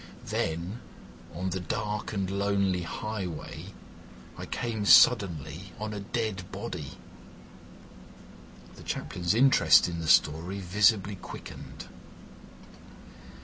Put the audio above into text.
Then, on the dark and lonely highway, I came suddenly on a dead body." The Chaplain's interest in the story visibly quickened.